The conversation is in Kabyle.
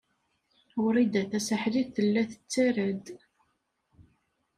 Wrida Tasaḥlit tella tettarra-d.